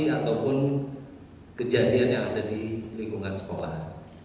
ataupun kejadian yang ada di lingkungan sekolah